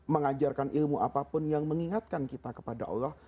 mengajarkan ilmu apapun yang mengingatkan kita kepada allah